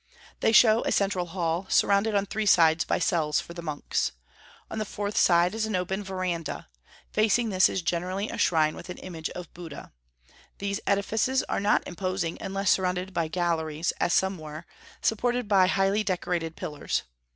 They show a central hall, surrounded on three sides by cells for the monks. On the fourth side is an open verandah; facing this is generally a shrine with an image of Buddha. These edifices are not imposing unless surrounded by galleries, as some were, supported by highly decorated pillars.